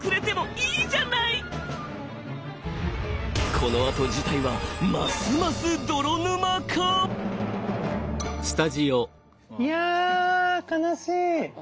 このあと事態はますますいや悲しい。